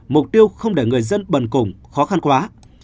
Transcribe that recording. mục tiêu không để người dân bần cùng khó khăn quá